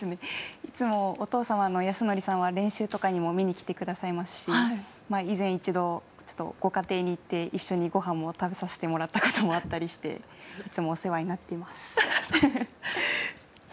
いつもお父様の泰則さんは練習とかにも見に来てくださいますし以前、一度ご家庭にいって一緒にごはんも食べさせてもらったこともあったりしていつもお世話になっています。